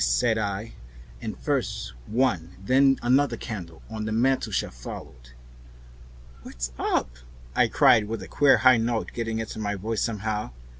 said I, and first one and then another candle on the mantelshelf followed. "What's up?" I cried, with a queer high note getting into my voice somehow.